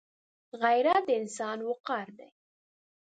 غیرت د انسان وقار دی